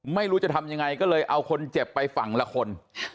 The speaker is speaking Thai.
ไม่รู้จะทำยังไงก็เลยเอาคนเจ็บไปฝั่งละคน